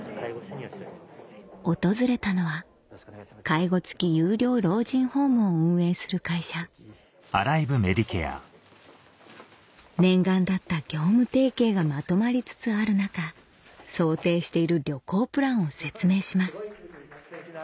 訪れたのは介護付き有料老人ホームを運営する会社念願だった業務提携がまとまりつつある中想定している旅行プランを説明します